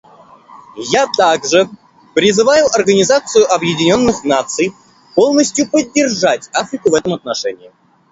Я также призываю Организацию Объединенных Наций полностью поддержать Африку в этом отношении.